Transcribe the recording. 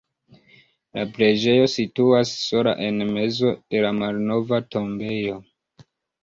La preĝejo situas sola en mezo de la malnova tombejo.